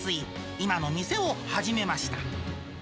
今の店を始めました。